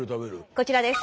こちらです。